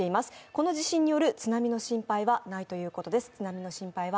この地震による津波の心配はないということです。